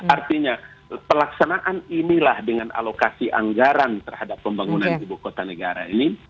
artinya pelaksanaan inilah dengan alokasi anggaran terhadap pembangunan ibu kota negara ini